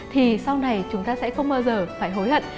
thì sau này chúng ta sẽ không bao giờ phải hối hận